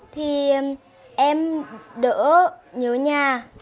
thì em đỡ nhớ nhà